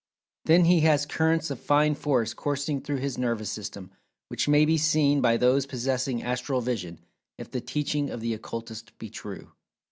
Then he has currents of Fine Force coursing through his nervous system, which may be seen by those possessing "Astral Vision," if the teachings of the Occultists be true.